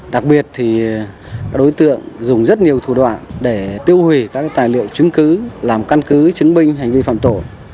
đặc biệt thì các đối tượng dùng rất nhiều thủ đoạn để tiêu hủy các tài liệu chứng cứ làm căn cứ chứng minh hành vi phạm tội